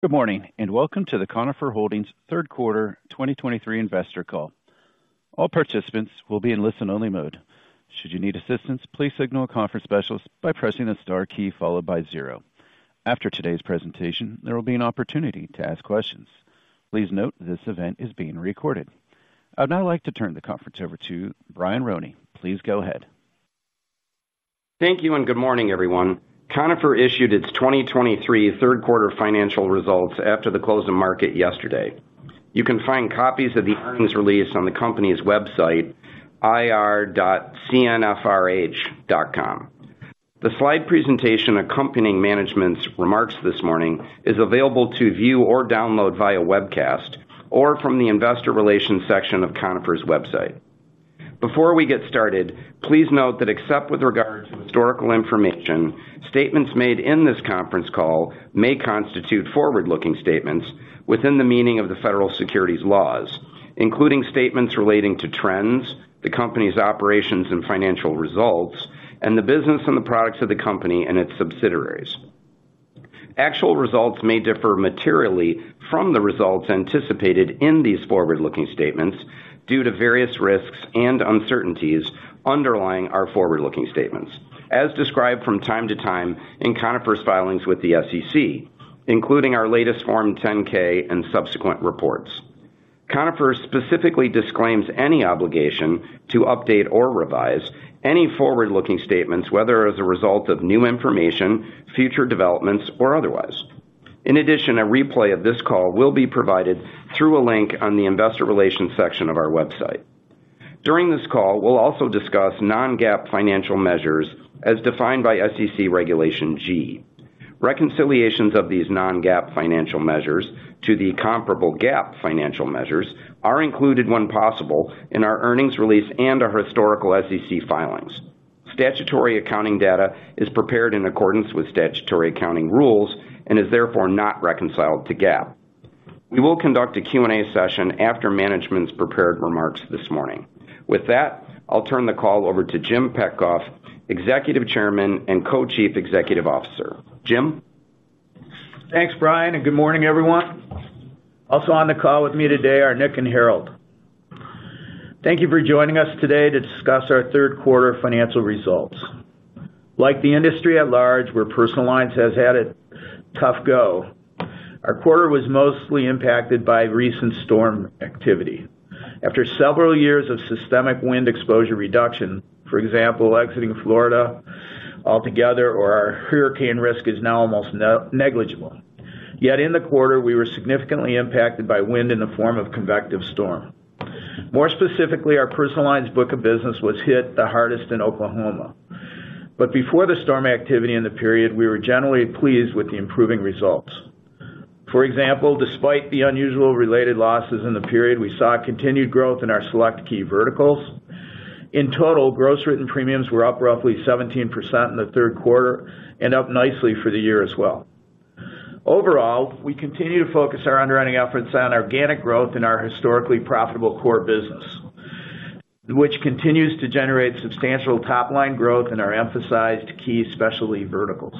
Good morning, and welcome to the Conifer Holdings third quarter 2023 investor call. All participants will be in listen-only mode. Should you need assistance, please signal a conference specialist by pressing the star key followed by zero. After today's presentation, there will be an opportunity to ask questions. Please note, this event is being recorded. I'd now like to turn the conference over to Brian Roney. Please go ahead. Thank you, and good morning, everyone. Conifer issued its 2023 third quarter financial results after the close of market yesterday. You can find copies of the earnings release on the company's website, ir.cnfrh.com. The slide presentation accompanying management's remarks this morning is available to view or download via webcast or from the investor relations section of Conifer's website. Before we get started, please note that except with regard to historical information, statements made in this conference call may constitute forward-looking statements within the meaning of the federal securities laws, including statements relating to trends, the company's operations and financial results, and the business and the products of the company and its subsidiaries. Actual results may differ materially from the results anticipated in these forward-looking statements due to various risks and uncertainties underlying our forward-looking statements, as described from time to time in Conifer's filings with the SEC, including our latest Form 10-K and subsequent reports. Conifer specifically disclaims any obligation to update or revise any forward-looking statements, whether as a result of new information, future developments, or otherwise. In addition, a replay of this call will be provided through a link on the investor relations section of our website. During this call, we'll also discuss non-GAAP financial measures as defined by SEC Regulation G. Reconciliations of these non-GAAP financial measures to the comparable GAAP financial measures are included, when possible, in our earnings release and our historical SEC filings. Statutory accounting data is prepared in accordance with statutory accounting rules and is therefore not reconciled to GAAP. We will conduct a Q&A session after management's prepared remarks this morning. With that, I'll turn the call over to Jim Petcoff, Executive Chairman and Co-Chief Executive Officer. Jim? Thanks, Brian, and good morning, everyone. Also on the call with me today are Nick and Harold. Thank you for joining us today to discuss our third quarter financial results. Like the industry at large, where personal lines has had a tough go, our quarter was mostly impacted by recent storm activity. After several years of systematic wind exposure reduction, for example, exiting Florida altogether, our hurricane risk is now almost negligible, yet in the quarter, we were significantly impacted by wind in the form of convective storm. More specifically, our personal lines book of business was hit the hardest in Oklahoma. But before the storm activity in the period, we were generally pleased with the improving results. For example, despite the unusual related losses in the period, we saw continued growth in our select key verticals. In total, gross written premiums were up roughly 17% in the third quarter and up nicely for the year as well. Overall, we continue to focus our underwriting efforts on organic growth in our historically profitable core business, which continues to generate substantial top-line growth in our emphasized key specialty verticals.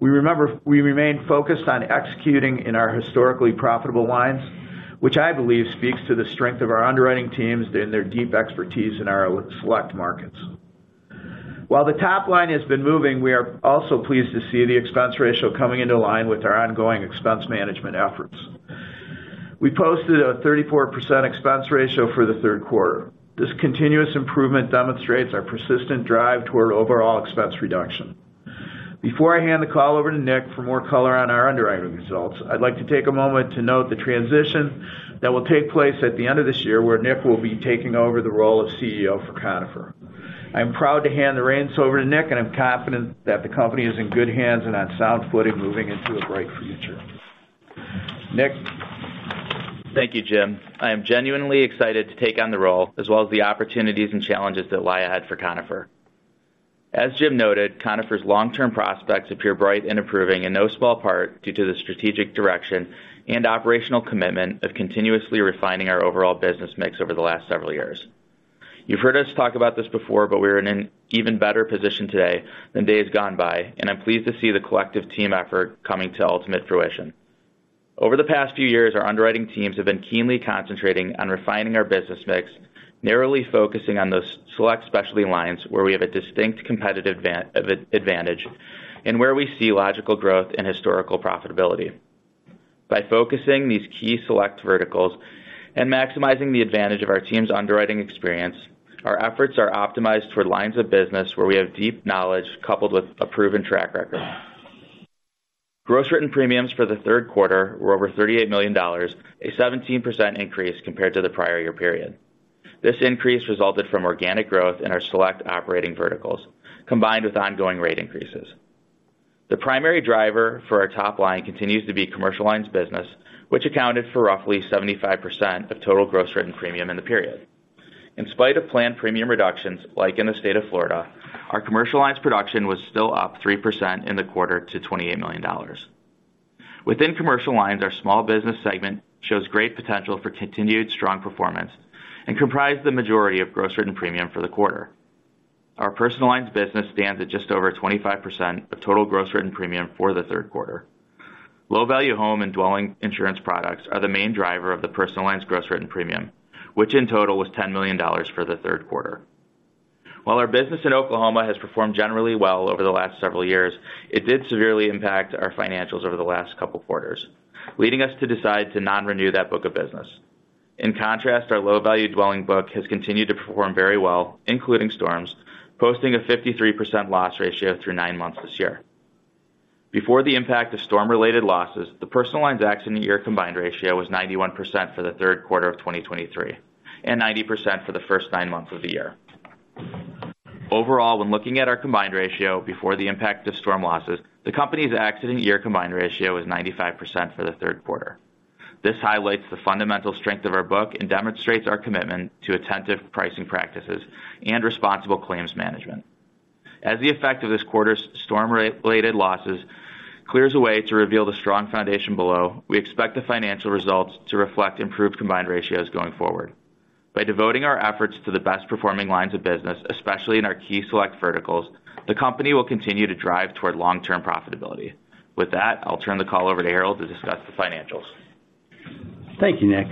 We remain focused on executing in our historically profitable lines, which I believe speaks to the strength of our underwriting teams and their deep expertise in our select markets. While the top line has been moving, we are also pleased to see the expense ratio coming into line with our ongoing expense management efforts. We posted a 34% expense ratio for the third quarter. This continuous improvement demonstrates our persistent drive toward overall expense reduction. Before I hand the call over to Nick for more color on our underwriting results, I'd like to take a moment to note the transition that will take place at the end of this year, where Nick will be taking over the role of CEO for Conifer. I'm proud to hand the reins over to Nick, and I'm confident that the company is in good hands and on sound footing, moving into a bright future. Nick? Thank you, Jim. I am genuinely excited to take on the role, as well as the opportunities and challenges that lie ahead for Conifer. As Jim noted, Conifer's long-term prospects appear bright and improving, in no small part, due to the strategic direction and operational commitment of continuously refining our overall business mix over the last several years. You've heard us talk about this before, but we're in an even better position today than days gone by, and I'm pleased to see the collective team effort coming to ultimate fruition. Over the past few years, our underwriting teams have been keenly concentrating on refining our business mix, narrowly focusing on those select specialty lines where we have a distinct competitive advantage, and where we see logical growth and historical profitability. By focusing these key select verticals and maximizing the advantage of our team's underwriting experience, our efforts are optimized toward lines of business where we have deep knowledge, coupled with a proven track record. Gross written premiums for the third quarter were over $38 million, a 17% increase compared to the prior year period. This increase resulted from organic growth in our select operating verticals, combined with ongoing rate increases. The primary driver for our top line continues to be commercial lines business, which accounted for roughly 75% of total gross written premium in the period. In spite of planned premium reductions, like in the state of Florida, our commercial lines production was still up 3% in the quarter to $28 million. Within commercial lines, our small business segment shows great potential for continued strong performance and comprised the majority of gross written premium for the quarter. Our personal lines business stands at just over 25% of total gross written premium for the third quarter. Low-value home and dwelling insurance products are the main driver of the personal lines gross written premium, which in total was $10 million for the third quarter. While our business in Oklahoma has performed generally well over the last several years, it did severely impact our financials over the last couple quarters, leading us to decide to non-renew that book of business. In contrast, our low-value dwelling book has continued to perform very well, including storms, posting a 53% loss ratio through nine months this year. Before the impact of storm-related losses, the personal lines accident year combined ratio was 91% for the third quarter of 2023, and 90% for the first nine months of the year. Overall, when looking at our combined ratio before the impact of storm losses, the company's accident year combined ratio is 95% for the third quarter. This highlights the fundamental strength of our book and demonstrates our commitment to attentive pricing practices and responsible claims management. As the effect of this quarter's storm-related losses clears the way to reveal the strong foundation below, we expect the financial results to reflect improved combined ratios going forward. By devoting our efforts to the best performing lines of business, especially in our key select verticals, the company will continue to drive toward long-term profitability. With that, I'll turn the call over to Harold to discuss the financials. Thank you, Nick.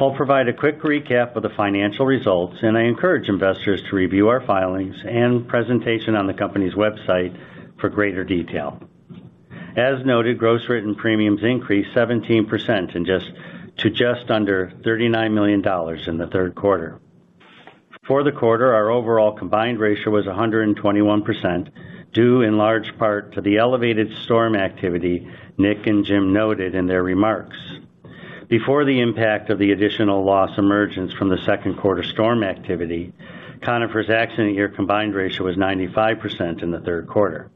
I'll provide a quick recap of the financial results, and I encourage investors to review our filings and presentation on the company's website for greater detail. As noted, gross written premiums increased 17% to just under $39 million in the third quarter. For the quarter, our overall combined ratio was 121%, due in large part to the elevated storm activity Nick and Jim noted in their remarks. Before the impact of the additional loss emergence from the second quarter storm activity, Conifer's accident year combined ratio was 95% in the third quarter.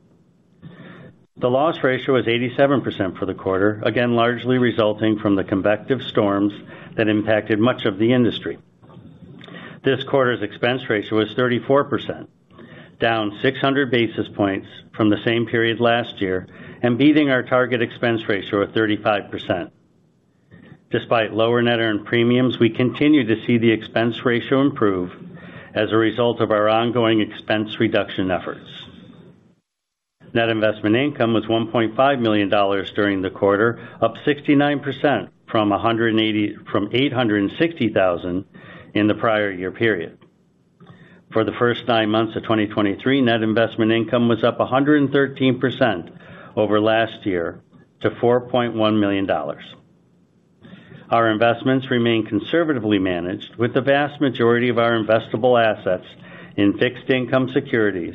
The loss ratio was 87% for the quarter, again, largely resulting from the convective storms that impacted much of the industry. This quarter's expense ratio was 34%, down 600 basis points from the same period last year and beating our target expense ratio of 35%. Despite lower net earned premiums, we continue to see the expense ratio improve as a result of our ongoing expense reduction efforts. Net investment income was $1.5 million during the quarter, up 69% from $860,000 in the prior year period. For the first nine months of 2023, net investment income was up 113% over last year to $4.1 million. Our investments remain conservatively managed, with the vast majority of our investable assets in fixed income securities,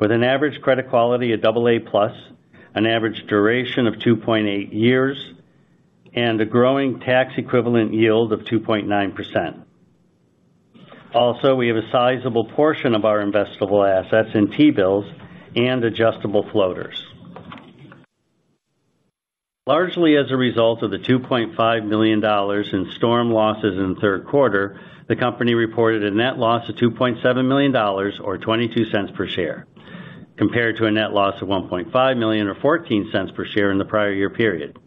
with an average credit quality of AA+, an average duration of 2.8 years, and a growing tax equivalent yield of 2.9%. Also, we have a sizable portion of our investable assets in T-bills and adjustable floaters. Largely, as a result of the $2.5 million in storm losses in the third quarter, the company reported a net loss of $2.7 million, or $0.22 per share, compared to a net loss of $1.5 million, or $0.14 per share in the prior year period.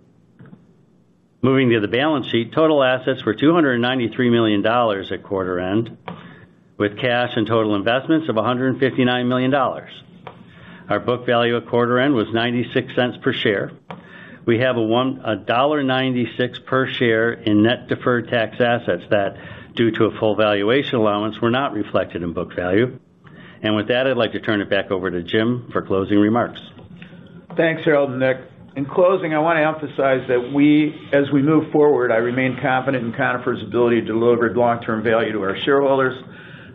Moving to the balance sheet, total assets were $293 million at quarter end, with cash and total investments of $159 million. Our book value at quarter end was $0.96 per share. We have a $1.96 per share in net deferred tax assets that, due to a full valuation allowance, were not reflected in book value. With that, I'd like to turn it back over to Jim for closing remarks. Thanks, Harold and Nick. In closing, I want to emphasize that we, as we move forward, I remain confident in Conifer's ability to deliver long-term value to our shareholders.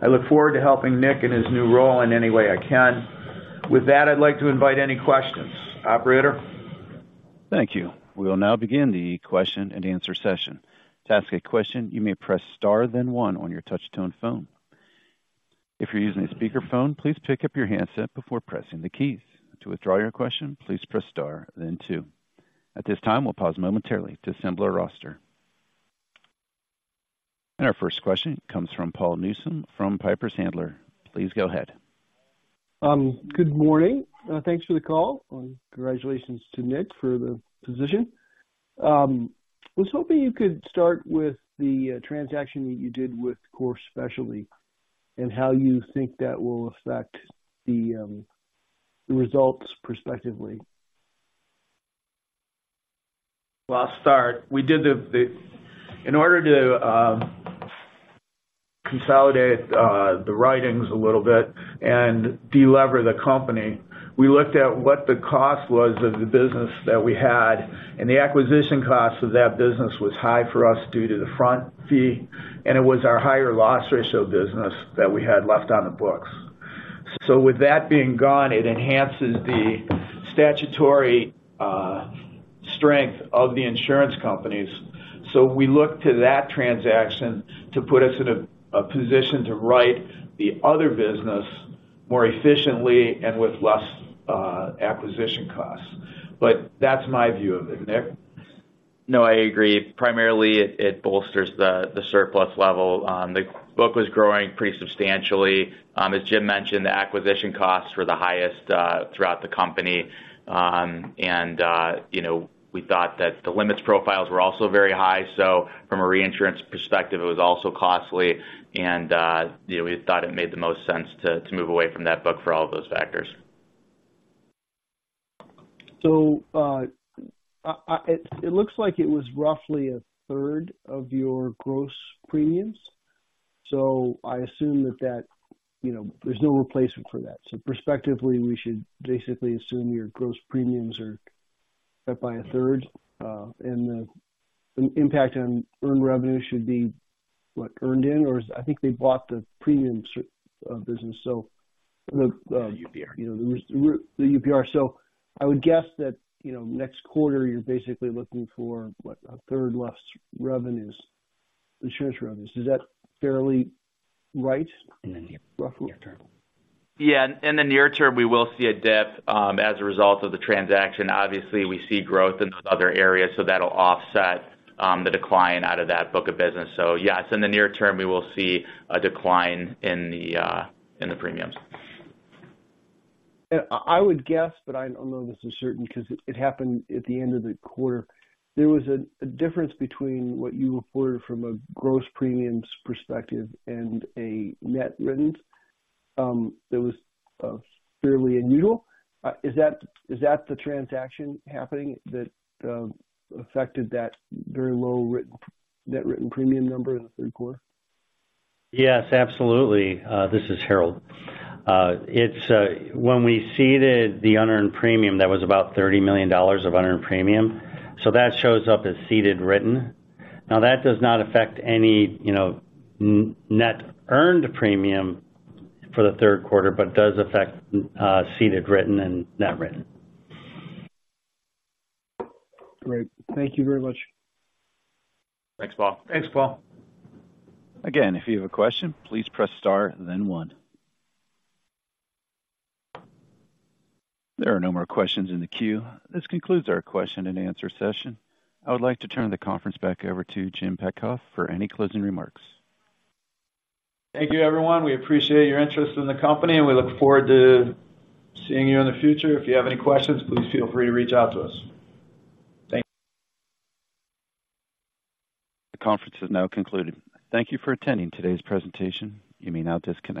I look forward to helping Nick in his new role in any way I can. With that, I'd like to invite any questions. Operator? Thank you. We will now begin the question-and-answer session. To ask a question, you may press star, then one on your touch tone phone. If you're using a speakerphone, please pick up your handset before pressing the keys. To withdraw your question, please press star, then two. At this time, we'll pause momentarily to assemble our roster. Our first question comes from Paul Newsome, from Piper Sandler. Please go ahead. Good morning. Thanks for the call, and congratulations to Nick for the position. I was hoping you could start with the transaction that you did with Core Specialty and how you think that will affect the results prospectively. Well, I'll start. We did in order to consolidate the writings a little bit and de-lever the company, we looked at what the cost was of the business that we had, and the acquisition cost of that business was high for us due to the fronting fee, and it was our higher loss ratio business that we had left on the books. So with that being gone, it enhances the statutory strength of the insurance companies. So we look to that transaction to put us in a position to write the other business more efficiently and with less acquisition costs. But that's my view of it. Nick? No, I agree. Primarily, it bolsters the surplus level. The book was growing pretty substantially. As Jim mentioned, the acquisition costs were the highest throughout the company. You know, we thought that the limits profiles were also very high. So from a reinsurance perspective, it was also costly. You know, we thought it made the most sense to move away from that book for all of those factors. So, it looks like it was roughly a third of your gross premiums, so I assume that, you know, there's no replacement for that. So prospectively, we should basically assume your gross premiums are cut by a third, and the impact on earned revenue should be, what, earned in, or I think they bought the premium business, so the... The UPR. You know, the UPR. So I would guess that, you know, next quarter, you're basically looking for, what, a third less revenues, insurance revenues. Is that fairly right? In the near term. Yeah. In the near term, we will see a dip, as a result of the transaction. Obviously, we see growth in other areas, so that'll offset, the decline out of that book of business. So yes, in the near term, we will see a decline in the premiums. Yeah, I would guess, but I don't know this for certain, 'cause it happened at the end of the quarter. There was a difference between what you reported from a gross premiums perspective and a net written. That was fairly unusual. Is that the transaction happening that affected that very low written, net written premium number in the third quarter? Yes, absolutely. This is Harold. It's when we ceded the unearned premium, that was about $30 million of unearned premium, so that shows up as ceded written. Now, that does not affect any, you know, net earned premium for the third quarter, but does affect ceded written and net written. Great. Thank you very much. Thanks, Paul. Thanks, Paul. Again, if you have a question, please press star then one. There are no more questions in the queue. This concludes our question and answer session. I would like to turn the conference back over to Jim Petcoff for any closing remarks. Thank you, everyone. We appreciate your interest in the company, and we look forward to seeing you in the future. If you have any questions, please feel free to reach out to us. Thank you. The conference is now concluded. Thank you for attending today's presentation. You may now disconnect.